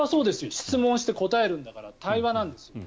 質問して答えるんだから対話なんですよ。